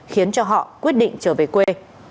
khiến cho họ quyết định trở về quê